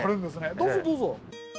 どうぞどうぞ。